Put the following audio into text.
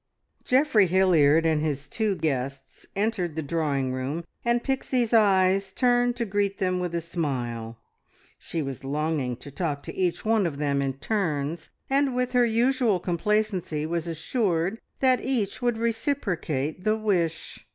Geoffrey Hilliard and his two guests entered the drawing room, and Pixie's eyes turned to greet them with a smile. She was longing to talk to each one of them in turns, and with her usual complacency was assured that each would reciprocate the wish.